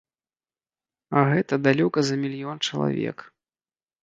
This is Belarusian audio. Але гэта далёка за мільён чалавек.